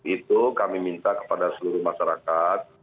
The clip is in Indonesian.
itu kami minta kepada seluruh masyarakat